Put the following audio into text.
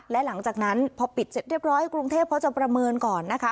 และหลังจากนั้นพอปิดเสร็จเรียบร้อยกรุงเทพเขาจะประเมินก่อนนะคะ